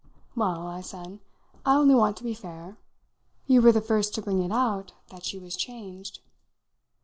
"Well," I said, "I only want to be fair. You were the first to bring it out that she was changed."